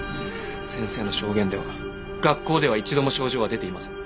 先生の証言では学校では一度も症状は出ていません。